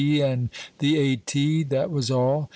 D. and the A.T. that was all."